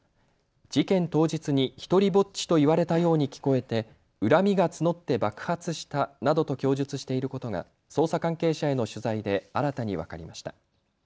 事件当日に独りぼっちと言われたように聞こえて恨みが募って爆発したなどと供述していることが捜査関係者への取材で新たに分かりました。